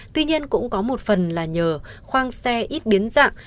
tuy nhiên cũng có một phần là nhờ khoang xe ít biến dạng